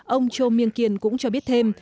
ông cho miên kiên cũng cho biết thêm